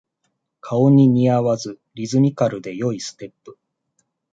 顔に似合わずリズミカルで良いステップ